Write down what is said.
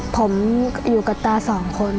ผมอยู่กับตา๒คน